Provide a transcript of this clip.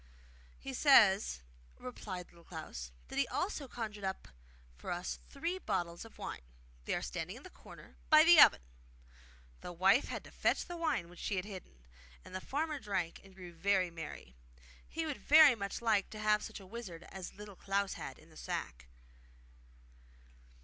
'He says,' replied Little Klans, 'that he has also conjured up for us three bottles of wine; they are standing in the corner by the oven!' The wife had to fetch the wine which she had hidden, and the farmer drank and grew very merry. He would very much like to have had such a wizard as Little Klaus had in the sack.